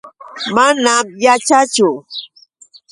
Manam yaćhaachu.